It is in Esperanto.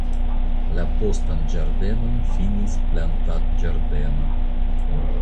La postan ĝardenon finis plantadĝardeno.